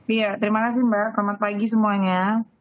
iya terima kasih mbak selamat pagi semuanya